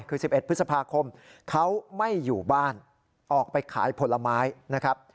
คือ๑๑พฤษภาคมเขาไม่อยู่บ้านออกไปขายผลไม้นะครับ